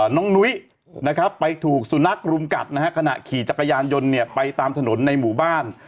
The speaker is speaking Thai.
น้องนุ้ยไปถูกสุนัขรุมกัดขณะขี่จักรยานยนต์ไปตามถนนในหมู่บ้าน